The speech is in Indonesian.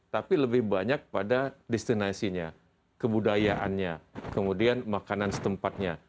tapi lebih banyak pada destinasinya kebudayaannya kemudian makanan setempatnya